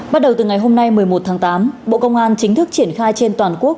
bắt đầu từ ngày hôm nay một mươi một tháng tám bộ công an chính thức triển khai trên toàn quốc